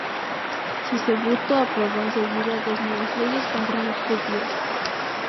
Sisebuto aprobó en seguida dos nuevas leyes contra los judíos.